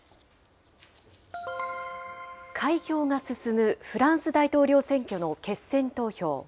開票が進むフランス大統領選挙の決選投票。